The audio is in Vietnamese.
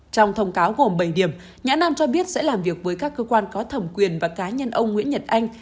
trong thông cáo gồm bảy điểm nhã nam cho biết sẽ làm việc với các cơ quan có thẩm quyền và cá nhân ông nguyễn nhật anh